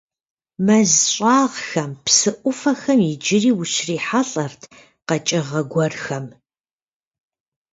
Мэз щӀагъхэм, псы Ӏуфэхэм иджыри ущрихьэлӀэрт къэкӀыгъэ гуэрхэм.